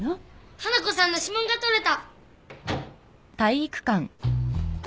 ハナコさんの指紋が採れた！